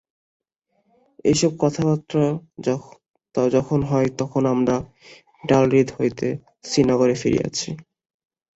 এই সব কথাবার্তা যখন হয়, তখন আমরা ডালহ্রদ হইতে শ্রীনগরে ফিরিয়াছি।